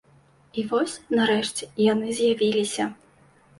І вось, нарэшце, яны з'явіліся.